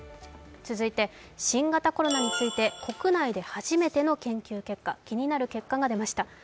続いて新型コロナについて国内で初めての研究結果、気になる結果が出ました。